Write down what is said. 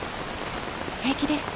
平気です。